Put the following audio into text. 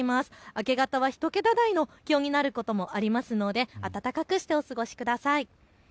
明け方は１桁台の気温になる所もありますので暖かくしてお過ごしください。